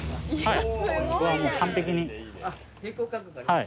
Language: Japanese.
はい。